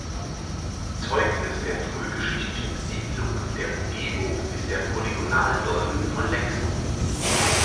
Zeugnis der frühgeschichtlichen Besiedlung der Umgebung ist der Polygonaldolmen von Lexow.